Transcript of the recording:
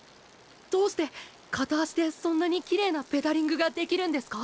どうして片足でそんなにきれいなペダリングができるんですか？